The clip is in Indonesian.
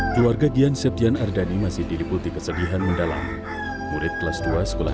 keluarga gian septian ardani masih diliputi kesedihan mendalam murid kelas dua sekolah